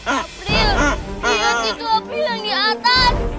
april lihat itu api yang di atas